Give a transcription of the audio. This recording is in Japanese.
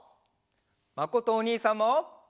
まことおにいさんも！